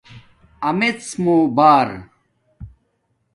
امیڎ مُو بار